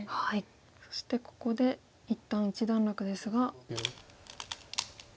そしてここで一旦一段落ですが。